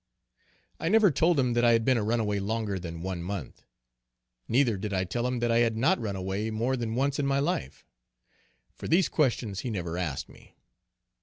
I never told him that I had been a runaway longer than one month neither did I tell him that I had not run away more than once in my life; for these questions he never asked me.